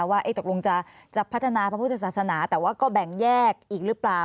ว่าเอ๊ะตกลงจะพัฒนาพระพุทธศาสนาแวกอีกหรือเปล่า